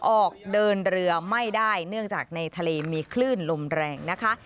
ออกเดินเรือไม่ได้เนื่องจากในทะเลมีคลื่นลมแรงนะคะ